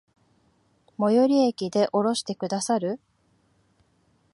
最寄駅で降ろしてくださる？